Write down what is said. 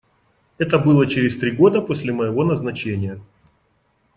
Это было через три года после моего назначения.